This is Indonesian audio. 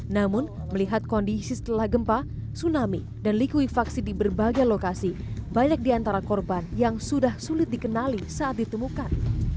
namun melihat kondisi setelah gempa tsunami dan likuifaksi di berbagai lokasi banyak di antara korban yang sudah sulit dikenali saat ditemukan